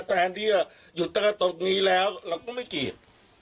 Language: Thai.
แต่ที่อยู่ตรงนี้แล้วเราก็ไม่กลีบ